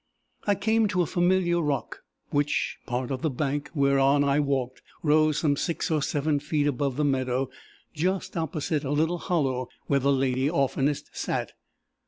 "I came to a familiar rock, which, part of the bank whereon I walked, rose some six or seven feet above the meadow, just opposite a little hollow where the lady oftenest sat.